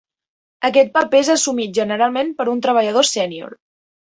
Aquest paper és assumit generalment per un treballador sènior.